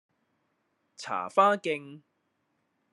茶花徑